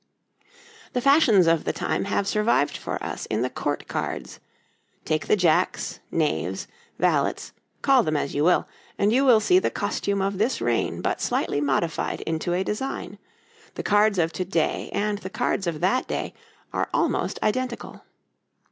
The fashions of the time have survived for us in the Court cards: take the jacks, knaves, valets call them as you will, and you will see the costume of this reign but slightly modified into a design, the cards of to day and the cards of that day are almost identical.